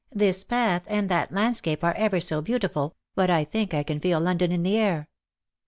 This path and that landscape are ever so beautiful ; but I think I can feel London in the air.